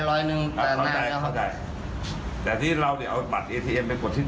มันกดไม่ได้ถามกด๑๕๐๐บาทเพราะมันต้องเสียค่าธรรมเนียม